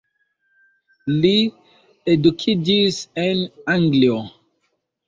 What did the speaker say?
Li edukiĝis en Anglio.